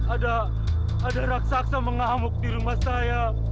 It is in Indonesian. ada raksasa mengamuk di rumah saya